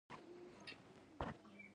هغه په دې پسې یوه سندره لیکلې وه.